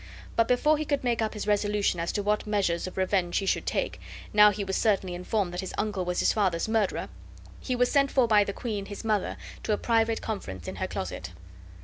But before he could make up his resolution as to what measures of revenge he should take, now he was certainly informed that his uncle was his father's murderer, he was sent for by the queen his mother, to a private conference in her closet.